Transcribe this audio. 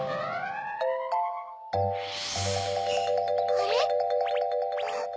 あれ？